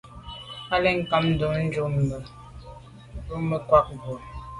Là à ke’ dùm nejù nummbe bin ke’ ma’ ngwa bwe.